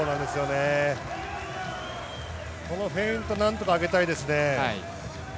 このフェイントを何とか上げたいですよね。